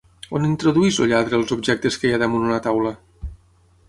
On introdueix el lladre els objectes que hi ha damunt una taula?